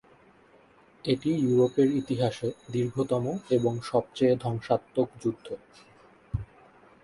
এটি ইউরোপের ইতিহাসে দীর্ঘতম এবং সবচেয়ে ধ্বংসাত্মক যুদ্ধ।